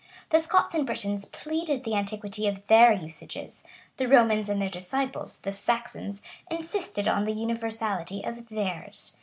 The Scots and Britons pleaded the antiquity of their usages; the Romans and their disciples, the Saxons, insisted on the universality of theirs.